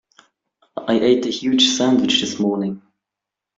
I ate a huge sandwich this morning.